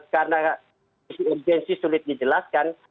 karena ini urgensi sulit dijelaskan